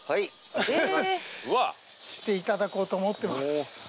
していただこうと思ってます。